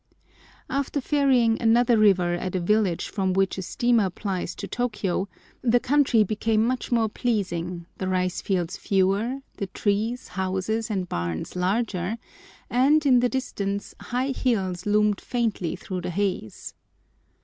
After ferrying another river at a village from which a steamer plies to Tôkiyô, the country became much more pleasing, the rice fields fewer, the trees, houses, and barns larger, and, in the distance, high hills loomed faintly through the haze.